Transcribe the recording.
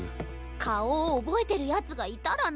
かおをおぼえてるヤツがいたらな。